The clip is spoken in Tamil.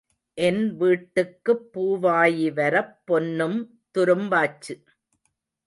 என் வீட்டுக்குப் பூவாயி வரப் பொன்னும் துரும்பாச்சு.